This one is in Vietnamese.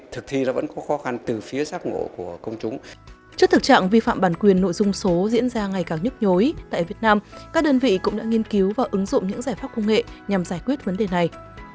tại việt nam các đơn vị cũng đã nghiên cứu và ứng dụng những giải pháp công nghệ nhằm giải quyết vấn đề này